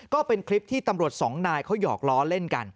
ก็เป็นคลิปที่ตำรวจสองนายเขาหยอกล้อเล่นกัน